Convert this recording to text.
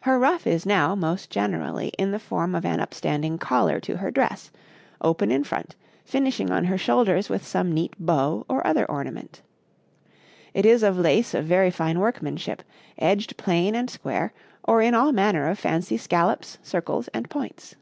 Her ruff is now, most generally, in the form of an upstanding collar to her dress, open in front, finishing on her shoulders with some neat bow or other ornament. It is of lace of very fine workmanship, edged plain and square, or in all manner of fancy scallops, circles, and points.